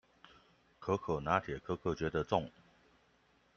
可可拿鐵，可可覺得重